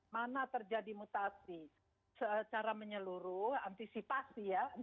mana terjadi mutasi secara menyeluruh antisipasi ya